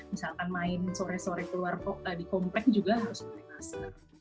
misalkan main sore sore keluar di komplek juga harus pakai masker